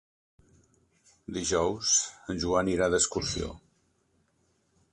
Dijous en Joan irà d'excursió.